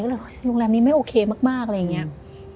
ก็เลยโรงแรมนี้ไม่โอเคมากอะไรอย่างนี้